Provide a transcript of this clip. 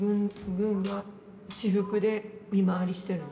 軍が私服で見回りしてるの？